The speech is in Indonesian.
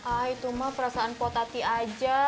ah itu mah perasaan pur tati aja